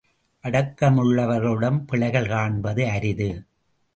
அடக்கமுள்ளவர்களிடம் பிழைகள் காண்பது அரிது.